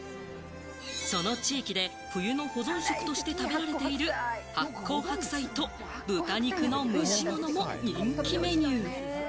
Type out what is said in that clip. その地域で冬の保存食として食べられている、発酵白菜と豚肉の蒸し物も人気メニュー。